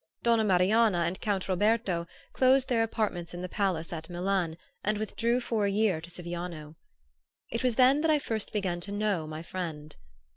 Donna Marianna and Count Roberto closed their apartments in the palace at Milan and withdrew for a year to Siviano. It was then that I first began to know my friend.